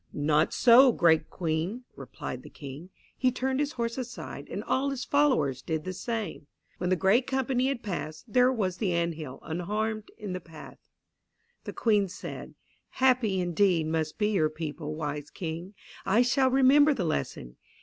"Not so, great Queen," replied the King. He turned his horse aside and all his followers did the same. When the great company had passed, there was the ant hill unharmed in the path. The Queen said, "Happy, indeed, must be your people, wise King. I shall remember the lesson.